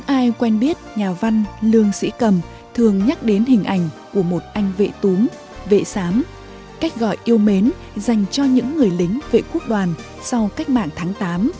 ai quen biết nhà văn lương sĩ cầm thường nhắc đến hình ảnh của một anh vệ túm vệ sám cách gọi yêu mến dành cho những người lính vệ quốc đoàn sau cách mạng tháng tám